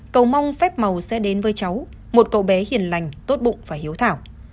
cầu mong phép màu sẽ đến với cháu một cậu bé hiền lành tốt bụng và hiếu thảo